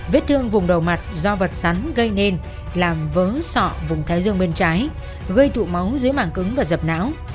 vết thương vùng đầu mặt do vật sắn gây nên làm vỡ sọ vùng thái dương bên trái gây tụ máu dưới màng cứng và dập não